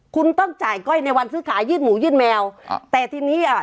คุณต้องจ่ายก้อยในวันซื้อขายยื่นหมูยื่นแมวอ่าแต่ทีนี้อ่ะ